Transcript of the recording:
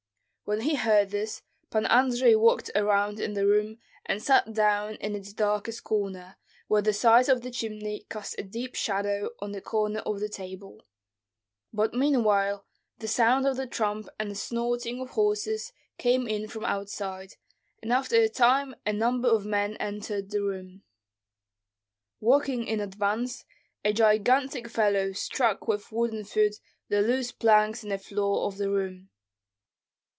When he heard this, Pan Andrei walked around in the room and sat down in its darkest corner, where the sides of the chimney cast a deep shadow on the corner of the table; but meanwhile the sound of the tramp and snorting of horses came in from outside, and after a time a number of men entered the room. Walking in advance, a gigantic fellow struck with wooden foot the loose planks in the floor of the room.